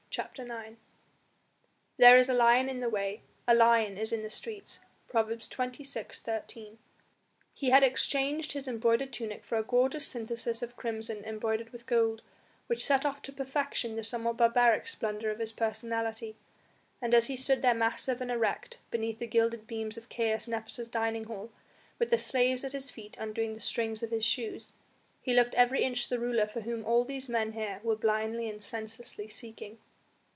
CHAPTER IX "There is a lion in the way; a lion is in the streets." PROVERBS XXVI. 13. He had exchanged his embroidered tunic for a gorgeous synthesis of crimson embroidered with gold, which set off to perfection the somewhat barbaric splendour of his personality, and as he stood there massive and erect, beneath the gilded beams of Caius Nepos' dining hall, with the slaves at his feet undoing the strings of his shoes, he looked every inch the ruler for whom all these men here were blindly and senselessly seeking.